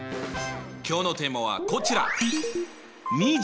今日のテーマはこちら！